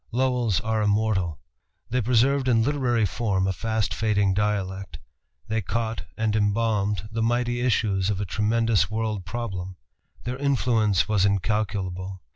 Lowell's are immortal. They preserved in literary form a fast fading dialect; they caught and embalmed the mighty issues of a tremendous world problem. Their influence was incalculable.